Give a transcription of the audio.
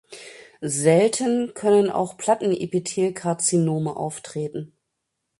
Selten können auch Plattenepithelkarzinome auftreten.